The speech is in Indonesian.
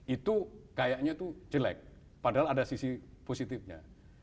itu kayaknya itu jelek padahal ada sisi positifnya